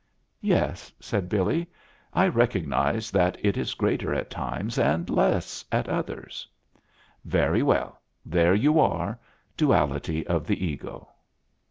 "Yes," said Billy; "I recognize that it is greater at times and less at others." "Very well, There you are. Duality of the ego."